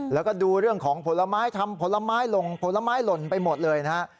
แล้วก็ดูเรื่องของผลไม้ทำผลไม้หล่นผลไม้หล่นไปหมดเลยนะฮะ